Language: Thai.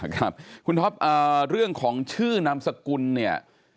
ครับคุณท็อปเรื่องของชื่อนามสกุลเนี่ย